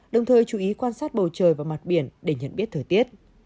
đồng thời chú ý quan sát bầu trời và mặt biển để nhận biết thời tiết